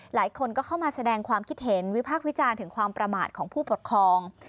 หลายคนก็เข้ามาแสดงความคิดเห็นวิพากษ์วิจารณ์ถึงความประมาทของผู้ปกครอง